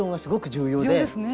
重要ですね。